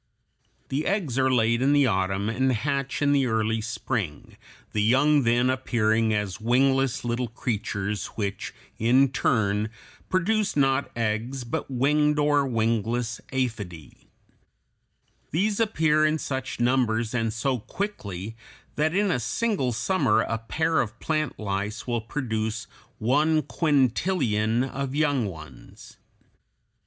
The eggs are laid in the autumn, and hatch in the early spring, the young then appearing as wingless little creatures which in turn produce not eggs but winged or wingless Aphidæ (Fig. 216). These appear in such numbers and so quickly that in a single summer a pair of plant lice will produce one quintillion of young ones.